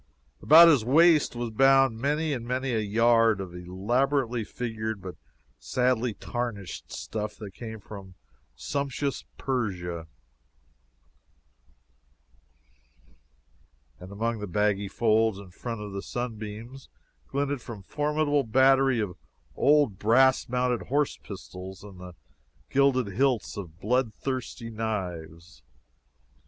About his waist was bound many and many a yard of elaborately figured but sadly tarnished stuff that came from sumptuous Persia, and among the baggy folds in front the sunbeams glinted from a formidable battery of old brass mounted horse pistols and the gilded hilts of blood thirsty knives.